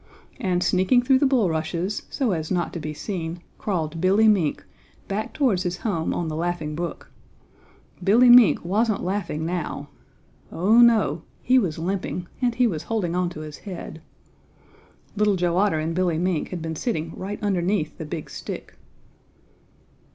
And, sneaking through the bulrushes, so as not to be seen, crawled Billy Mink, back towards his home on the Laughing Brook. Billy Mink wasn't laughing now. Oh, no! He was limping and he was holding on to his head. Little Joe Otter and Billy Mink had been sitting right underneath the big stick.